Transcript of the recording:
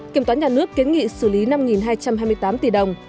kiểm toán nhà nước kiến nghị xử lý năm hai trăm hai mươi tám tỷ đồng